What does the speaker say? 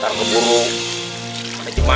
taruh ke burung keburu buru